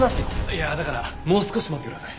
いやだからもう少し待ってください。